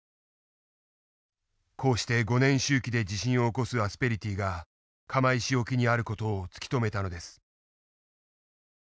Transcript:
こうして５年周期で地震を起こすアスペリティーが釜石沖にある事を突き止めたのです。